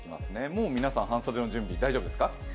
もう皆さん、半袖の準備、大丈夫ですか？